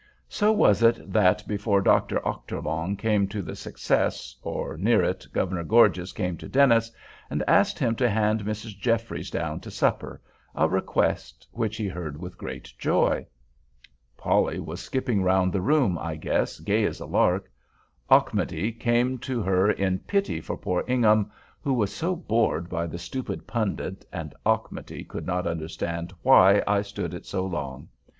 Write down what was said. So was it that before Dr. Ochterlong came to the "success," or near it, Governor Gorges came to Dennis and asked him to hand Mrs. Jeffries down to supper, a request which he heard with great joy. Polly was skipping round the room, I guess, gay as a lark. Auchmuty came to her "in pity for poor Ingham," who was so bored by the stupid pundit—and Auchmuty could not understand why I stood it so long.